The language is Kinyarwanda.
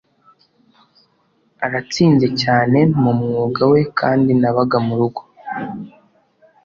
Aratsinze cyane mu mwuga we kandi nabaga murugo